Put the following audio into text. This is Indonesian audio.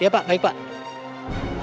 iya pak baik pak